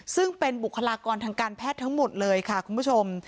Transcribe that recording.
ซึ่งเป็นบุคลากรทางการแพทย์ทั้งหมดเลยค่ะคุณผู้ชม